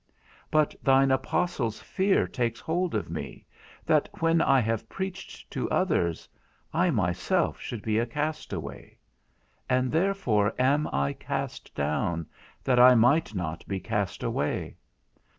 But thine apostle's fear takes hold of me, that when I have preached to others, I myself should be a castaway; and therefore am I cast down, that I might not be cast away.